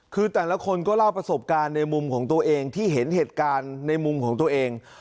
คือแต่ละคนก็เล่าประสบการณ์ในมุมของตัวเองที่เห็นเหตุการณ์ในมุมของตัวเอง